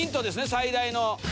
最大の。